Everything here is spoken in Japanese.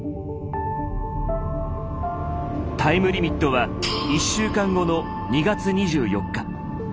タイムリミットは１週間後の２月２４日。